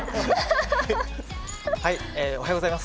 おはようございます。